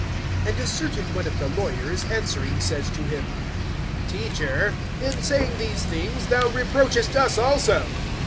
(45)And a certain one of the lawyers answering says to him: Teacher, in saying these things thou reproachest us also.